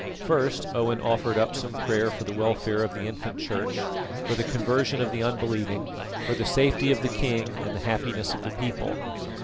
First Owen offered up some prayer for the welfare of the infant Church, for the conversion of the unbelieving, for the safety of the king and the happiness of the people.